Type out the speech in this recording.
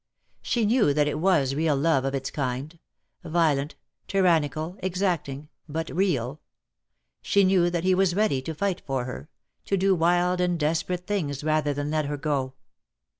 She knew that it was real love of its kind; violent, tyrannical, exacting, but real. She knew that he was ready to fight for her, to do wild and desperate things rather than let her go.